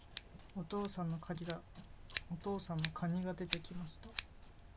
お父さんの蟹が出て来ました。